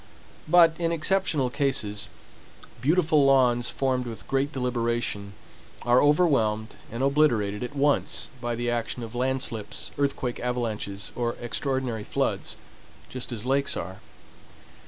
But, in exceptional cases, beautiful lawns formed with great deliberation are overwhelmed and obliterated at once by the action of land slips, earthquake avalanches, or extraordinary floods, just as lakes are.